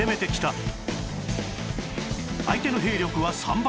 相手の兵力は３倍